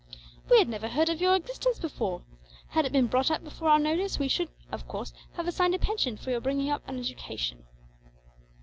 We had never heard of your existence before. Had it been brought before our notice we should, of course, have assigned a pension for your bringing up and education."